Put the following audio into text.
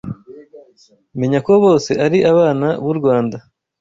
menya ko bose ari abana b’u rwanda